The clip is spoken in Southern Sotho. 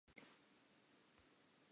Ha re bapaleng karolo ya rona.